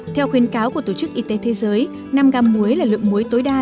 theo khuyến cáo của tổ chức y tế thế giới năm gam muối là lượng muối tối đa